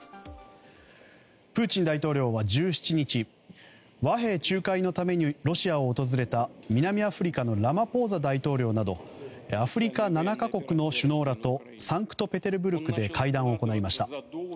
プーチン大統領は１７日和平仲介のためにロシアを訪れた南アフリカのラマポーザ大統領などアフリカ７か国の首脳らとサンクトペテルブルクで会談を行いました。